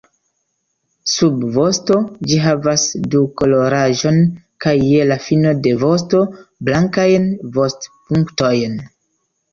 Sub vosto ĝi havas du-koloraĵon kaj je la fino de vosto blankajn vost-punktojn.